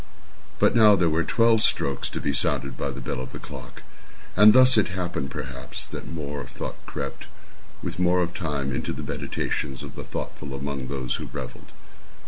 But now there were twelve strokes to be sounded by the bell of the clock; and thus it happened, perhaps, that more of thought crept, with more of time, into the meditations of the thoughtful among those who revelled.